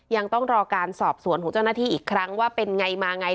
ยังต้องรอการสอบสวนของเจ้าหน้าที่อีกครั้งว่าเป็นไงมาไง